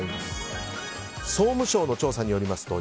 総務省の調査によりますと